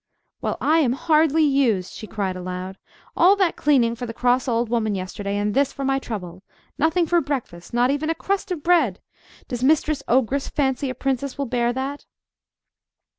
"Well, I am hardly used!" she cried aloud. "All that cleaning for the cross old woman yesterday, and this for my trouble,—nothing for breakfast! Not even a crust of bread! Does Mistress Ogress fancy a princess will bear that?"